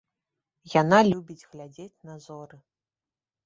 Яна любіць глядзець на зоры.